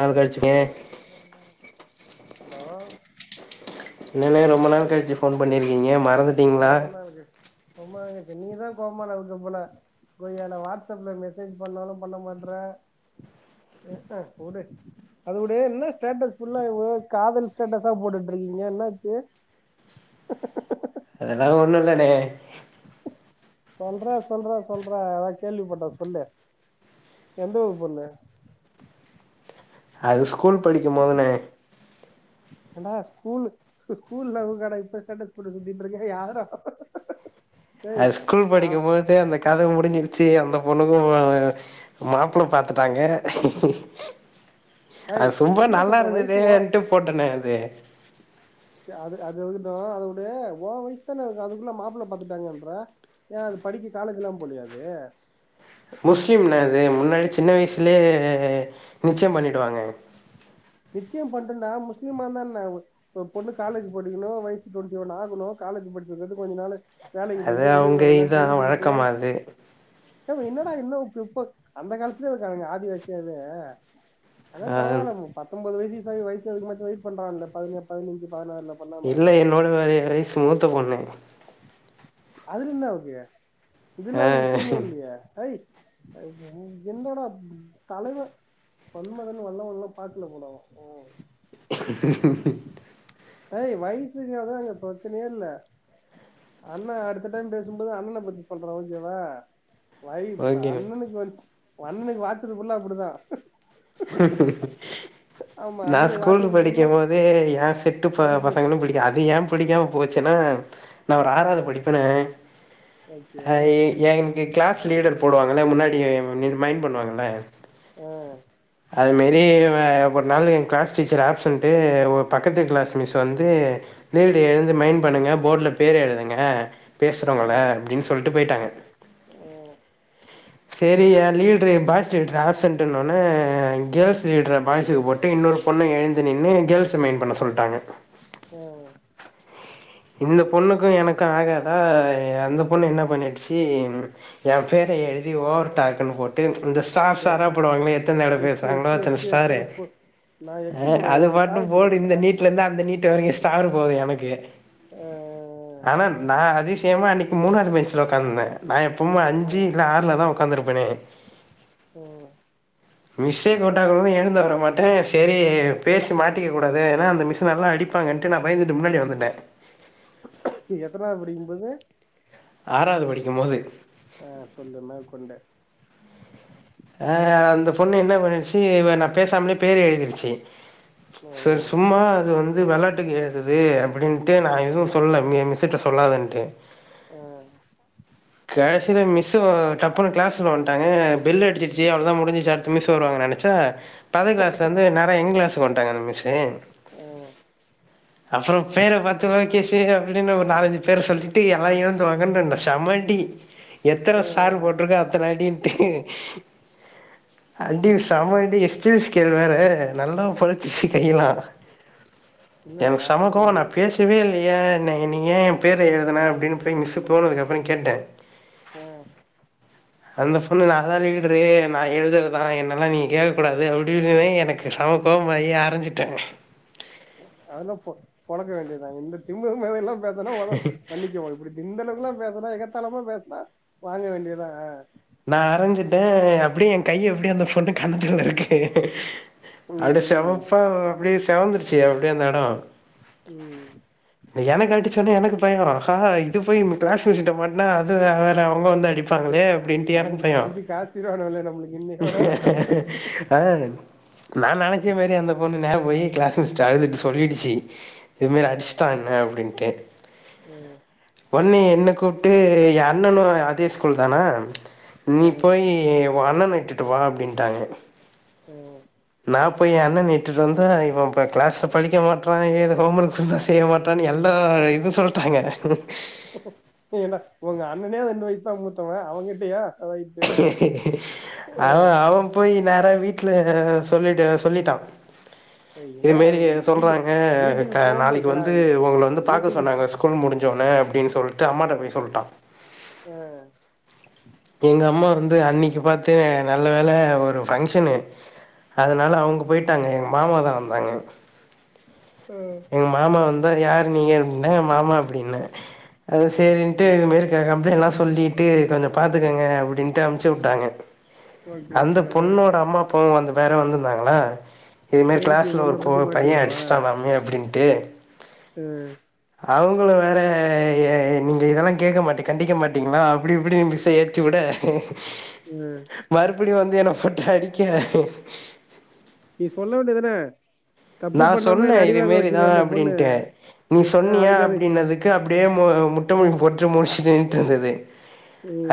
நாள் கழிச்சுங்க ஹலோ என்னங்க ரொம்ப நாள் கழிச்சி ஃபோன் பண்ணிருக்கீங்க ரொம்ப நாள் கழிச்சி ரொம்ப நாள் கழிச்சி நீதா கோமால இருக்க போல கொய்யால வாட்ஸப்ல மெசேஜ் பண்ணாலு பண்ண மாட்ற உடு அது உடு இன்னா ஸ்டேட்டஸ் ஃபுல்லா ஒரே காதல் ஸ்டேட்டஸா போட்டுட்ருக்கீங் ஏ என்னாச்சு அதெல்லா ஒன்னு இல்லண்ணே சொல்றா சொல்றா சொல்றா அதா கேள்விப்பட்ட சொல்லு எந்த ஊர் பொண்ணு அது ஸ்கூல் படிக்கும் போதுண்ணே ஏண்டா ஸ்கூலு ஸ் ஸ்கூல் லவ்வுக்காடா இப்ப ஸ்டேட்டஸ் போட்டு சுத்திட்ருக்க யார்டா அவ அது ஸ்கூல் படிக்கும் போது அந்த கத முடிஞ்சிருச்சு அந்த பொண்ணுக்கு வேற மாப்ள பாத்துட்டாங்க ஏய் அது சும்மா என்ன நல்லா சொல்ற வயசு ஓ இருந்துதேன்ட்டு போட்டண்ண அது சேர் அது அது இருக்கட்டு அத விடு ஓ வயசு தான இருக்கு அதுக்குள்ள மாப்புள்ள பாத்துட்டாங்கன்ற ஏ அது படிக்க காலேஜ்லா போலியா அது முஸ்லிம்ண்ண அது முன்னாடி சின்ன வயசுலயே நிச்சயம் பண்ணிடுவாங்க நிச்சயம் பண்ட்டுண்டா முஸ்லிமா இருந்தா என்ன ஒர் ஒரு பொண்ணு காலேஜு படிக்கணு வயசு டுவெண்டி ஒன் ஆகணு கா காலேஜு படிச்சதுலேருந்து கொஞ்ச நாளைக் அது அவுங்க இதா வழக்கமா அது ப்ப என்னடா இன்னு பிற்போக் அந்த காலத்துலேயே இருக்கானுங்க ஆதிவாசியாவே அதா ஆ, பரவால்ல ம் பத்தொம்போது வயசிசாயி வயசுக் வரமாச்சு வெயிட் பண்றால்ல பதின பதினஞ்சு பதினாறுல பண்ணாம இல்ல என்னோட [unintelligible] வயிசு மூத்த பொண்ணு அதுல இன்னா இருக்கு இதுல்லா ஆ ஒரு விஷியமே இல்லியே ஆய் வயிசு ஆ என்னடா ம் தலைவ மன்மதன்‌ வல்லவன்லா பாக்கல போல அவ ம் ஏய் வயிசுங்கிறதுலா அங்க பிரச்சனையே இல்ல அண்ண அடுத்த டைம் பேசும்போது அண்ணன பத்தி சொல்ற ஓக்கேவா வைப்பா ஓகேண்ணே அண்ணனுக்கு வ அண்ணனுக்கு வாச்சது புல்லா அப்புடிதா [unintelligible] நா அண்ணனுக்கு ஸ்கூலு வாச்சது ஃபுல்லா படிக்குமோதே ஏ செட்டு ப ஒன் பிளஸ் பசங்களு புடிக்கு அது ஏ புடிக்காம போச்சுன்னா நா ஒரு ஆறாவது ம் படிப்பனே ஓகே ஆ எனக்கு கிளாஸ் லீடர் போடுவாங்கள முன்னாடி நின் மைண்ட் பண்ணுவாங்கள ஆ அது மாரி ஆ ஒரு நாள் எ கிளாஸ் டீச்சர் ஆப்சன்டு ஒரு பக்கத்து கிளாஸ் மிஸ் வந்து லீடர் எழுந்து மைன்டு பண்ணுங்க போர்டுல பேர் எழுதுங்க ஆ பேசுறவங்களே அப்பிடின்னு சொல்லிட்டு போயிட்டாங்க ஆ செரி ஏ லீடுரு பாய் லீடுரு ஆப்சென்ட்டுனுனே ஆ கேள்ஸ் லீடர பாய்ஸுக்கு போட்டு இன்னொரு பொண்ண எழுந்து நின்னு கேள்ச மயின் பண்ண சொல்லிட்டாங்க ஆ இந்த பொண்ணுக்கு எனக்கு ஆகாதா அந்த பொண்ணு என்ன பண்ணிடிச்சு ஏ பேரே எ எழுதி ஓவர் டாக்குனு போட்டு இந்த ஸ்டார் ஸ்டாரா எக்ஸ் போடுவாங்களே எத்தி எவ்ளோ எக்ஸ் பேசுறாங்களோ எக்ஸ் அத்தன எக்ஸ் ஸ்டாரு எக்ஸ்னு போ நா எக்ஸ் ஆ போடுவே அது நீங்க பாட்டுலு சாவி போடு இந்த போடுவீங்களா நீட்டுல இருந்து அந்த நீ வீட்டு வரைக்கு ஸ்டார் போது எனக்கு ஆ ஆனா நா அதிசியமா அன்னைக்கு மூணாவது பெஞ்ச்ல உக்காந்துருந்தே நா எப்புமே ஆ அஞ்சு இல்ல ஆறுல தா உக்காந்துருப்பேனே ஆ மிஸ்செ கூப்பிட்ட கூட எழுந்து வர மாட்டே செரி பேசி மாட்டிக்க கூடாது ஏனா அந்த மிஸ் நல்லா அடிப்பாங்கண்டு நா பயந்துட்டு முன்னாடி வந்துட்டே எத்தனாவது படிக்கும்போது ஆறாவது படிக்கு போது ஆ சொல்லு மேற்கொண்டு ஆ அந்த பொண்ணு என்ன பண்ணிருச்சு இ நா பேசாமலே பேரு எழுதிருச்சு செரி ம் சும்மா அது வந்து வெளையாட்டுக்கு ஏழுதுது அப்பிடின்ட்டு நா எதுவு சொல்ல மி மி ஸ் கிட்ட சொல்லாதுன்ட்டு ஆ கடைசியில மிஸ்ஸு டப்புன்னு கிளாஸ்குல்ல வண்டாங்க பெல் அடிச்சிருச்சு அவ்ளோதா முடிஞ்சிச்சு அடுத்து மிஸ் வருவாங்க நெனச்ச பக்கத்து கிளாஸ்ல இருந்து நேரா எங்க கிளாஸுக்கு வந்டாங்க அந்த மிஸ்ஸு ஆ அப்புறோ பேர பாத்து லோகேசு அப்பிடின்னு ஒரு நாலஞ்சு பேர சொல்லிட்டு எல்லா எழுந்து வாங்கனு செம அடி எத்தன ஆ ஸ்டார் போட்டிருக்கோ அத்தன அடின்டு [inaudible] அடி செம அடி ஸ்டீல்ஸ் கேல் வேர நல்லா பழுத்துருச்சு கையுலா இல்லடா எனக்கு செம்ம கோவோ இது நா பேசவே இல்லையே ந நீ ஏ என் பேரை எழுதின அப்படின்னு போயி மிஸ் போனதுக்கு அப்புறோ கேட்டே ஆ அந்த பொண்ணு நா தா லீடறு நா எழுதுறதுதா என்னெல்லா நீ கேட்க கூடாது அப்பிடினோன்னே எனக்கு செம்ம கோவோ கோவமாயி அரைஞ்சுட்டே அதெல்லா பொ பொழக்க வேண்டியதுதா இந்த திமிரு வேலையெல்லா பேசனா ஒத மன்னிக்குவோ இப்பிடி கிண்டலக்குகெல்லா பேசனா எகத்தாலமா பேசுனா வாங்க வேண்டியதா ஆ நா அரஞ்சிட்டே அப்பிடி எ கையி அப்பிடியே அந்த பொண்ணு கண்ணத்துல இருக்கு ம் அப்பிடியே ம் செவப்பா அப்பிடியே செவந்துருச்சு அந்த எடோ ம் எனக்கு அடிசொனையே எனக்கு பையோ ஹா இது போயி ம் கிளாஸ் மிஸ்ஸுகிட்ட மாட்டுனா அது வேற அவங்க வந்து அடிப்பாங்களே அப்பிடின்டு எனக்கு கஞ்சி பையோ கஞ்சி காய்ச்சிருவானுவல்ல நம்மளுக்கு இன்னையோட ஆ நா நெனச்ச மாரியே அந்த பொண்ணு நேர போயி கிளாஸ் மிஸ்ட அழுதுட்டு சொல்லிடுச்சு இது மாறி அடிச்சுட்டா என்ன அப்பிடின்ட்டு உம் ஒன்னே என்ன கூப்ட்டு எ அண்ணனு அதே ஸ்கூல் தானா நீ ம் போயி உ அண்ணன இட்டுட்டு வா அப்டின்ட்டாங்க ஓ நா போய் எ அண்ணன இட்டுட்டு வந்தா இவ ப கிளாஸ்ல படிக்க மாட்ரா எழ்த ஹோம்மர்க் தந்தா செய்ய மாட் ரா எல்லா இது சொல்ட்டாங்க ஏன்டா உங்க [unintelligible] மூத்தவ அவங்கிட்டயா ரைட்டு அமா அவ போய் நேரா வீட்டுல சொல்லிட்டு சொல்லிட்டா என்னடா இதுமேரி நீ வீட்டு சொல்றாங்க வீட்டுக்கு க போம்போது நாளைக்கு கெளா வந்து உங்ள வந்து பாக்க வீட்டுக்கு சொன்னாங்க ஸ்கூல் முடிஞ்ச ஒனே அப்டின் சொல்ட்டு அம்மாட்ட போய் சொல்ட்டா அ எங்க அம்மா வந்து அன்னிக்கு பாத்து நல்ல வேல ஒரு பங்க்ஷனு அதனால அவ்ங்க போயிட்டாங்க எங்க மாமாதா வந்தாங்க அ எங்க மாமா வந்தா யாரு நீங்க என்னங்க மாமா அப்டின்னே அது சேரின்ட்டு ம் இதுமேரி கேக்காம் தா எல்லா சொல்லீட்டு கொஞ்சோ பாத்துக்கங்க அப்டின்ட்டு அனுப்ச்சு உட்டாங்க ஓகே அந்த ஓகே பொண்ணோட அம்மா அப்பாவு வந்து வேற வந்துருந்தாங்ளா இது மாரி எதுக்கு கிளாஸ்ல ஒரு உன்ன பொ பத்தி மாட்டி பைய்ய விடவா அடிச்சிட்டா மேம்னு அப்டின்ட்டு அ அவங்களு வேற நீங்க இதெல்லா கேக்க மாட்டி கண்டிக்க மாட்டிங்ளா அப்டி இப்டின்ட்டு [unintelligible] ஏத்திவுட அ இப்டி வந்து என்ன போட்டு அடிக்க நீ சொல்ல வேண்டிதுதான நா சொன்னே இதுமேரி தா பொண்ணு அப்டின்ட்டு நீ ஆ சொன்னியா அதுக்கு அது அப்டினதுக்கு அப்டியே மு முட்ட முழுங்கி போட்ச்சி முழிச்சிட்டு நின்னுட்ருந்தது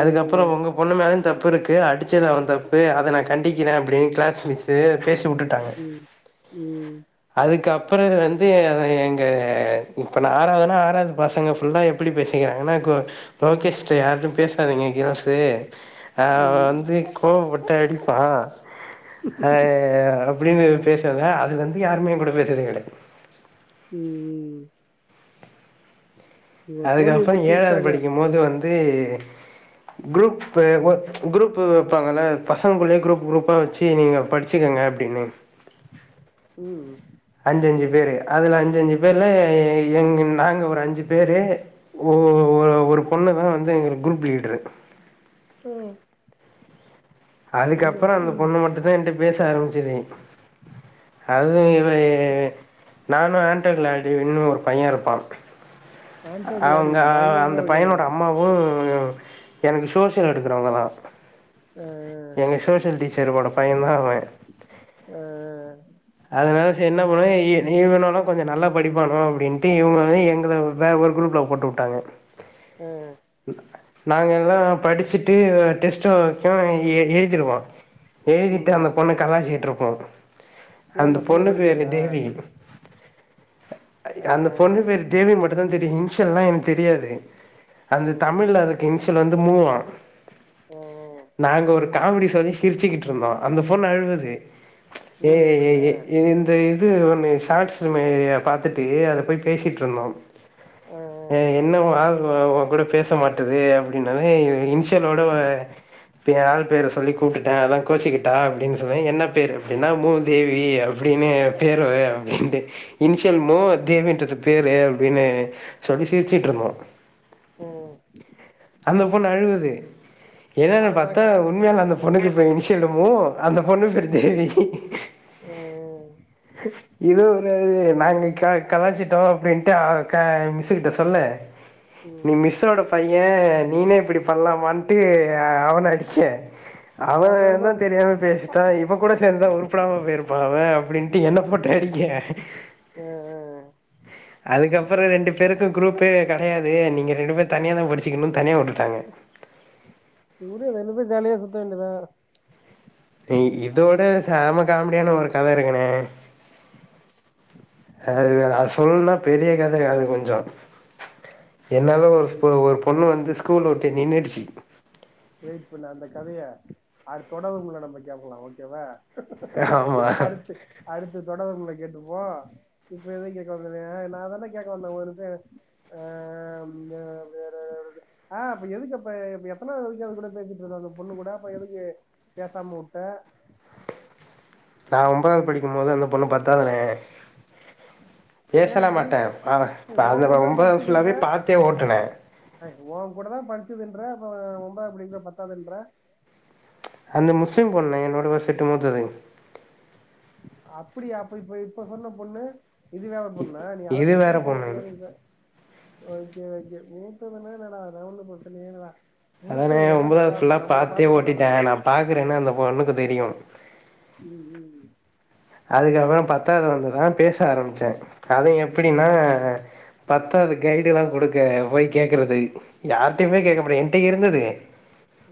அதுக்கப்றோ உங்க பொண்ணு மேலயு தப்பிருக்கு அடிச்சது அவ தப்பு அத நா கண்டிக்கிறே அப்டின் கிளாஸ் மிஸ்ஸு பேசி ம் ம் அதுக்கப்றோ இது வந்து அத எங்க இப்ப நா ஆறாவ்துனா ஆறாது பசங்க ஃபுல்லா எப்டி பேசிக் கிறானுக கோ லோகேஷ்ட்ட யார்டையு பேசாதிங்க கேள்ஸ்ஸு அவ ம் வந்து கோவப்பட்டு அடிப்பா ஆ அப்டினு பேசாத அதுலருந்து யாருமே எங்கூட பேசுறது கெடயாத் ம் ம் இவ சோழிய அதுக்கப்றோ முடிச்சு ஏழாது வுட்டாங்க படிக்குபோது வந்து குரூப் பூ ஒ குரூப்பூ வெப்பாங்கல்ல பசங்குள்ளயே குரூப் குரூப்பா வெச்சு நீங்க படிச்சிக்க ங்க அப்டினு ம் அஞ்சஞ்சு பேரு அதுல அஞ்சஞ்சு பேர்ல எங்க நாங்க ஒரு அஞ்சு பேரு ஓ ஒ ஒரு பொண்ணு தா வந்து எங்ளுக் குரூப் லீட்ரு ம் ஐயோ அதுக்கப்றோ அந்த பொண்ணு மட்டு தா என்ட்ட பேச ஆரம்பிச்சிது அதுவு இவே நானு ஏன்டர் லேடீவ்ன்னு ஒரு பைய்ய இருப்பா ஆன்டோ அவுங்க கிளாடிவின் அந்த பயங்கரமா இருக்கானே பைய்னோட அம்மாவு எனக்கு ஷோசியல் எடுக்கறவங்கதா ஆ எங்க ஷோசியல் டீச்சரோட பைய்ந்தா அவே ஆ அதனால செரி என்ன பண்ணுவ இ இவனாலு கொஞ்சோ நல்லா படிப்பானோ அப்டின்ட்டு இவ்ங்லோடவே எங்ள வே ஒரு குரூப் ல போட்டு உட்டாங்க ஆ நாங்கெல்லா படிச்சிட்டு டெஸ்ட்டு வெக்கை எ எழுதிருவோ எழுதிட்டு ம் அந்த பொண்ணு கலாய்ச்சிட்ருப்போ அந்த பொண்ணு பேரு தேவி ஆ அந்த பொண்ணு பேரு தேவி மட்டுந்தா தெரியு இன்ஷல்லா எனக்கு தெரியாது அந்த ம் தமிழ்ல அதுக்கு இன்ஷியல் வந்து மூ வா ஆ நாங்க ஒரு காமெடி சொல்லி சிரிச்சிக்கிட்டு இருந்தோ அந்த பொண்ணு அழுவுது ஏ ஏ ஏ மூதேவினா ஏ இது இந்த இந் இது ஒன்னு ஷார்ட்ஸு மேரிய பாத்துட்டு அது போய் பேசிட்ருந்தோ ஆ என்ன ஒ ஆள் ஒ ஒ கூட பேச மாட்டுது அப்டினொன்னே இன்ஸ் ஸியலோட வ இப்ப ஏ ஆள் பேர சொல்லி கூப்ட்டுட்ட அதா கோச்சுக்கிட்டா அப்டினு சொன்னே என்ன பேரு அப்டினா மூதேவி அப்டி ன்னு பேரு அப்டின்ட்டு இன்ஷியல் மூ தேவின்றது பேரு அப்டினு சொல்லி சிரிச்சுட்ருந்தோ ஆ அந்த பொண்ணு அழுவுது என்னனு அததா பாத்தா உண்மையாலு கலாச்சிட்ருக்கேனே அந்த பொண்ணுக்கு பே இன்ஷியலு மூ அந்த பொண்ணு பேரு தேவி ஆ இது அப்ற அழுது நாங்க க கலாய்சிட்டோ அப்டின்ட்டு ஆ க மிஸ்ஸுக்கிட்ட சொல்ல நீ ம் மிஸ்ஸோட பைய நீனே இப்டி பண்ணலாமான்ட்டு ஆ அவன அடிக்க அவ அதனாலதா தா அப்டி போது தெரியாம பேசிட்டா இவ கூட சேந்துதா உருப்புடாம போயிருப்பா அவே அப்டின்ட்டு என்ன போட்டு அடி ஏ ஆ ஆ ஆ அதுக்கப்பறோ ரெண்டு பேருக்கு குரூப்பே க கெடையாது நீங்க ரெண்டு பேரு தனியாதா படிச்சுக்கணு தனியா உட்டுட்டாங்க உடு ரெண்டு பேரு ஜாலியா சுத்த வேண்டியதா இ இதோட செம காமெடியான ஒரு கத இருக்குண்ணே அது வேற அது சொல்ணுனா பெரிய கத அது கொஞ்சோ என்னால ஓகே ஒரு ஸ்பு வெயிட் ஒரு பொண்ணு வந்து ஸ்கூல விட்டே நின்னுடுச்சி வெயிட் பண்ணு அந்த கதைய அது தொடரும்ல நம்ம கேக்கலா ஓகேவா ஆமா அடுத்து அடுத்து தொடரும்ல கேட்டுப்போ இப்ப எதோ கேக்க வந்தனே நா தான கேக்க வந்த ஒரு இத ஆ அம் இந்த வேற இது ஆ அப்ப எதுக்குப்ப இப்ப எத்தனாவது நீ அது கூட பேசிட்ருந்த அந்த பொண்ணு கூட அப்ப எதுக்கு பேசாம உட்ட நா ஒம்பதாவது படிக்கும் போதே அந்த பொண்ணு பத்தாவதுண்ணே ஏன் பேசல அப்படி மாட்ட ப ஏய், உன் அந்த கூட தான் ஒன்பதாவது படிச்சதுன்ற ஃபுல்லாவே பாத்தே ஓட்டுன ஏய் ஓ கூட தா படிச்சுதுன்ற அப்ப ஒம்பதாவது படிக்கல பத்தாவுதுன்ற அந்த முஸ்லிம் பொண்ணுண்ணே என்னோட ஒரு செட்டு மூத்தது அப்டியா அப்ப இப்ப இப்ப சொன்ன பொண்ணு இது வேற பொண்ணா நீ அத இது பத்திதா வேற சொல்ல பொண்ணு போயிருந்த ஓகே ஓகே மூத்ததுனா என்னடா அதனால ஒன்னு பிரச்சனையே இல்லடா அதாண்ணே ஒம்பதாவது ஃபுல்லா பாத்தே பாத்துக்கொண்டா ஓட்டிட்ட நல்லா நா பாக்குறேனு அந்த பொண்ணுக்கு தெரியு ம் ம் அதுக்கப்பறோ பத்தாவது வந்துதா பேச ஆரம்பிச்ச அது ம் எப்டினா பத்தாவது கைடு எல்லா குடுக்க போய் கேக்குறது யார்ட்டையுமே கேக்க முடியாது என்ட்ட இருந்தது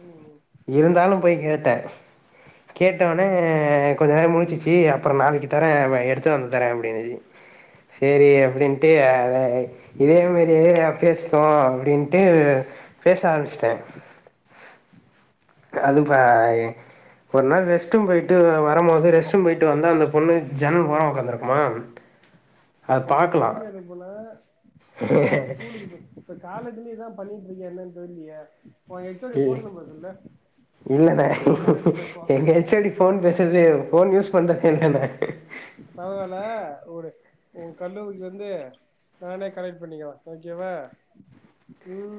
ம் இருந்தாலு போய் கேட்ட கேட்டோன்னே கொஞ்ச நேர முழிச்சிச்சு அப்ற நாளைக்கு தர எடுத்துட்டு வந்து தர அப்டினுது சேரி அப்டின்ட்டு அத இதே மேரி யே பேசுவோ அப்டின்ட்டு பேச ஆரம்பிச்சிட்ட அது பா இ ஒரு நாள் ரெஸ்ட்ரூம் போயிட்டு நா வரம் போது ரெஸ்ட்ரூம் போயிட்டு வந்தா அந்த பொண்ணு ஜன்னல் ஓரமா உக்காந்துருக்குமா அத ஒன்ன பாக்கலா படிக்க அனுப்புனா ஏன்டா ஸ்கூலுக்கு போய் இப்ப காலே திரும்பி இதா பண்ணிட்டு இருக்கியா என்னன்னு தெரிலையே ஈவ்னிங் இல்லனே அவருகிட்ட பேசுவோ எங்க ஹெச் ஓ டி ஃபோன் பேசறதே ஃபோன் யூஸ் பண்றதே இல்லனா பரவால்ல ஒரு உ கல்லூரிக்கு வந்து நானே கனெக்ட் பண்ணிக்குவ ஓகேவா ம்